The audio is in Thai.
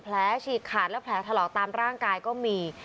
ฉีกขาดและแผลถลอกตามร่างกายก็มี